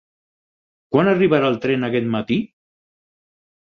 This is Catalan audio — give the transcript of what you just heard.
Quan arribarà el tren aquest matí?